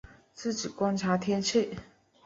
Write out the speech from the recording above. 自己观察天气